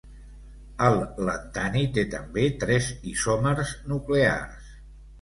El lantani té també tres isòmers nuclears.